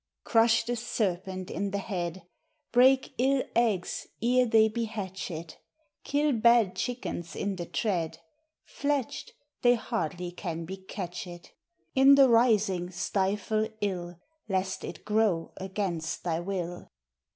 Crush the serpent in the head, Breake ill eggs ere they be hatched : Kill bad chickens in the tread; Fledged, they hardly can be catched : In the rising stifle ill, Lest it grow against thy will.